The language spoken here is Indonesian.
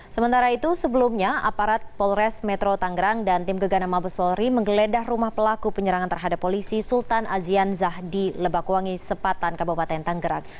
sementara itu sebelumnya aparat polres metro tanggerang dan tim gegana mabes polri menggeledah rumah pelaku penyerangan terhadap polisi sultan azian zah di lebakwangi sepatan kabupaten tanggerang